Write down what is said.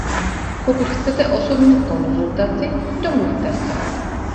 Pokud chcete osobní konzultaci, domluvte se.